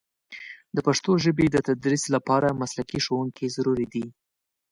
د پښتو ژبې د تدریس لپاره مسلکي ښوونکي ضروري دي.